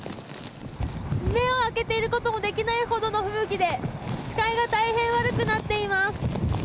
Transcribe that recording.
目を開けていることもできないほどの吹雪で視界が大変悪くなっています。